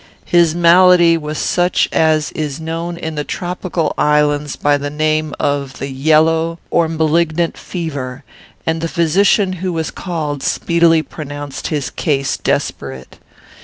His malady was such as is known in the tropical islands by the name of the yellow or malignant fever, and the physician who was called speedily pronounced his case desperate.